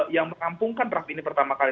yang merampungkan draft ini pertama kali